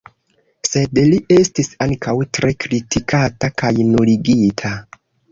Sed li estis ankaŭ tre kritikata kaj nuligita.